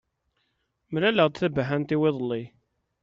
Mlaleɣ-d tabaḥant-iw iḍelli.